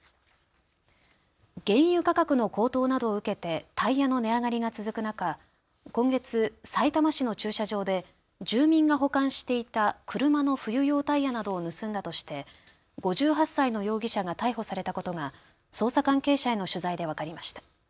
原油価格の高騰などを受けてタイヤの値上がりが続く中、今月、さいたま市の駐車場で住民が保管していた車の冬用タイヤなどを盗んだとして５８歳の容疑者が逮捕されたことが捜査関係者への取材で分かりました。